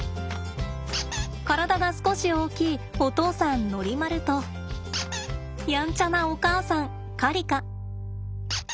体が少し大きいお父さんノリマルとやんちゃなお母さんカリカ。